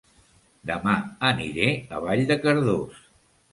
Dema aniré a Vall de Cardós